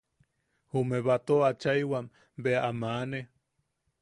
Jume batoo achaiwam bea a maʼane.